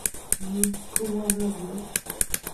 En "¿Cómo habla Dios?